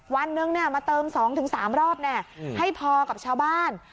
วันหนึ่งเนี่ยมาเติมสองถึงสามรอบเนี่ยให้พอกับชาวบ้าน